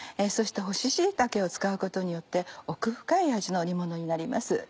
そして干し椎茸を使うことによって奥深い味の煮ものになります。